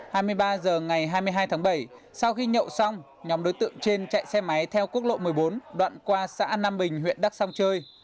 hai mươi ba h ngày hai mươi hai tháng bảy sau khi nhậu xong nhóm đối tượng trên chạy xe máy theo quốc lộ một mươi bốn đoạn qua xã nam bình huyện đắk xong chơi